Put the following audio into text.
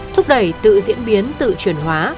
thúc đẩy tự diễn biến tự truyền hóa